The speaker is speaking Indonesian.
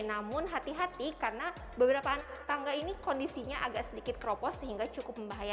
namun hati hati karena beberapa tangga ini kondisinya agak sedikit keropos sehingga cukup membahayakan